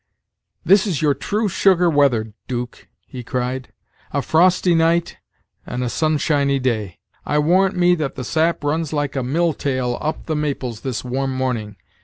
"This is your true sugar weather, 'Duke," he cried; "a frosty night and a sunshiny day. I warrant me that the sap runs like a mill tail up the maples this warm morning.